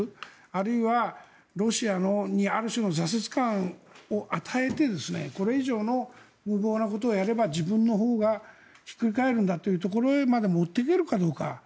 あるいはロシアにある種の挫折感を与えてこれ以上の無謀なことをやれば自分のほうがひっくり返るんだというところにまで持っていけるかどうか。